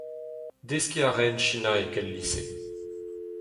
Deskiñ a raent sinaeg el lise.